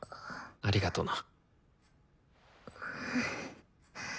ありがとな。